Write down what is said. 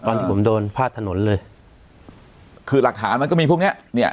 ตอนที่ผมโดนพาดถนนเลยคือหลักฐานมันก็มีพวกเนี้ยเนี้ย